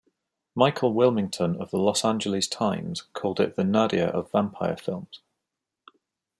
Michael Wilmington of the "Los Angeles Times" called it the nadir of vampire films.